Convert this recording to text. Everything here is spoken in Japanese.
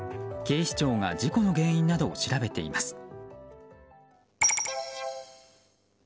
警視庁が事故の原因などを調べています。